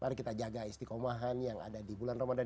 mari kita jaga istikomahan yang ada di bulan ramadan